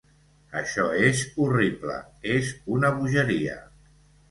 Això és horrible, és una bogeria.